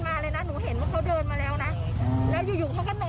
สุดท้าย